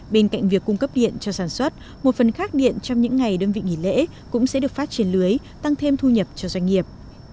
bên cạnh việc cung cấp điện cho sản xuất một phần khác điện trong những ngày đơn vị nghỉ lễ cũng sẽ được phát triển lưới tăng thêm thu nhập cho doanh nghiệp